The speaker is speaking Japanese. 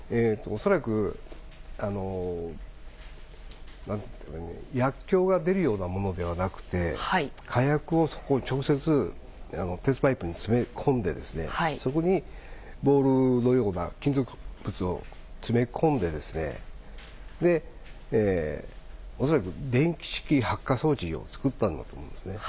恐らく薬きょうが出るようなものではなくて、火薬をそこに直接、鉄パイプに詰め込んで、そこにボールのような金属物を詰め込んで、恐らく、電気式発火装置を作ったんだと思うんですね。